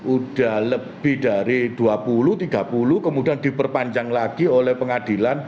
udah lebih dari dua puluh tiga puluh kemudian diperpanjang lagi oleh pengadilan